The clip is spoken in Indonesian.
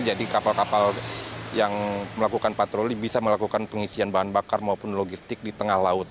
jadi kapal kapal yang melakukan patroli bisa melakukan pengisian bahan bakar maupun logistik di tengah laut